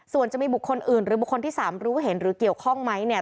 ส่วนจะมีบุคคลอื่นหรือบุคคลที่๓รู้เห็นหรือเกี่ยวข้องไหมเนี่ย